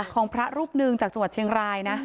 ของพระรูปหนึ่งจากจังหวัดเชียงรายนะ